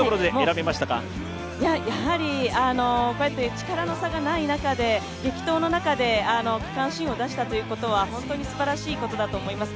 やはり力の差がない激闘の中で区間新を出したということは、本当にすばらしいことだと思います。